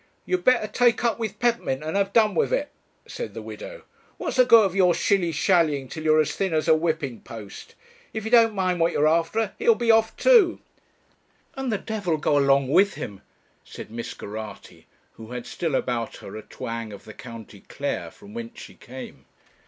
'You'd better take up with Peppermint and have done with it,' said the widow. 'What's the good of your shilly shallying till you're as thin as a whipping post? If you don't mind what you're after he'll be off too.' 'And the d go along with him,' said Miss Geraghty, who had still about her a twang of the County Clare, from whence she came.